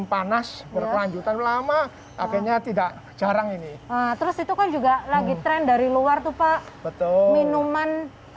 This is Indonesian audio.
panas berkelanjutan lama akhirnya tidak jarang ini terus itu kan juga lagi tren dari luar tuh pak betul minuman